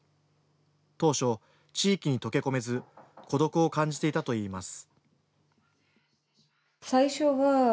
当初、地域に溶け込めず孤独を感じていたといいます。